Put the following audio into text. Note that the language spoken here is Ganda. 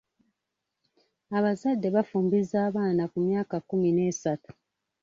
Abazadde bafumbiza abaana ku myaka kkumi n'esatu.